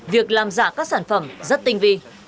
việc làm giả các sản phẩm rất tinh vi